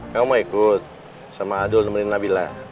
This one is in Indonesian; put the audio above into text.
kamu mau ikut sama abdul nemenin nabila